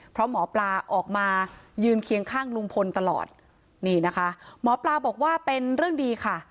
เพราะหมอปลาออกมายืนเคียงข้างลุงพลตลอดนี่นะคะหมอปลาบอกว่าเป็นเรื่องดีค่ะ